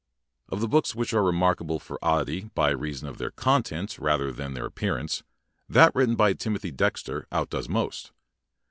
Of the books which are remarkable for oddity by reason of their contents rather than their appearance, that written by Timothy Dexter butdoes most.